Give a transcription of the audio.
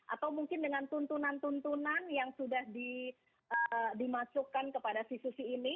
atau mungkin dengan tuntunan tuntunan yang sudah dimasukkan kepada si susi ini